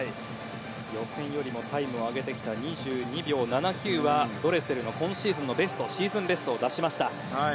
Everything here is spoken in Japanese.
予選よりもタイムを上げてきて２２秒７９はドレセルの今シーズンのシーズンベストを出しました。